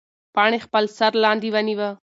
پاڼې خپل سر لاندې ونیوه.